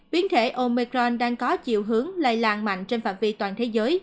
biến thể omecron đang có chiều hướng lây lan mạnh trên phạm vi toàn thế giới